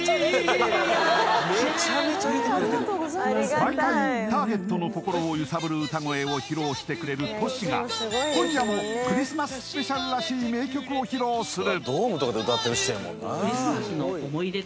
毎回ターゲットの心を揺さぶってくれるＴｏｓｈｌが今夜もクリスマススペシャルらしい名曲を披露する。